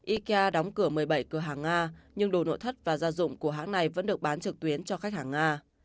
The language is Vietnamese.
ikea đóng cửa một mươi bảy cửa hàng nga nhưng đồ nội thất và gia dụng của hãng này vẫn được bán trực tuyến cho khách hàng nga